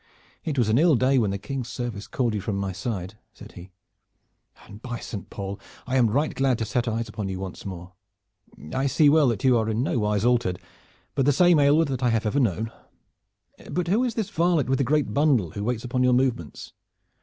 "It was an ill day when the King's service called you from my side," said he, "and by Saint Paul! I am right glad to set eyes upon you once more! I see well that you are in no wise altered, but the same Aylward that I have ever known. But who is this varlet with the great bundle who waits upon your movements?"